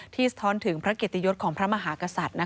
ที่สะท้อนถึงพระเก็ตตียศของพระมหากษัตริย์นะคะ